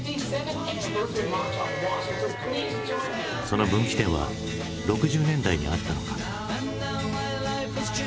その分岐点は６０年代にあったのか。